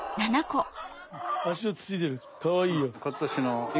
足をつついてるかわいいよ。